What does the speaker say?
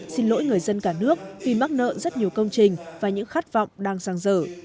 xin lỗi người dân cả nước vì mắc nợ rất nhiều công trình và những khát vọng đang sang dở